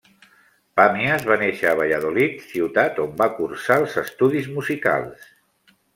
Pàmies va néixer a Valladolid, ciutat on va cursar els estudis musicals.